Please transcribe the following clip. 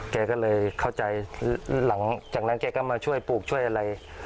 แกก็เลยเข้าใจหลังจากนั้นแกก็มาช่วยปลูกช่วยอะไร